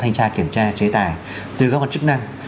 thanh tra kiểm tra chế tài từ các quan chức năng